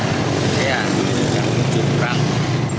iya tujuh jam